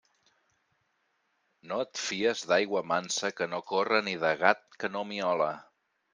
No et fies d'aigua mansa que no corre ni de gat que no miola.